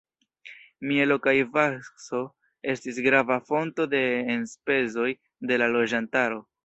Mielo kaj vakso estis grava fonto de enspezoj de la loĝantaro.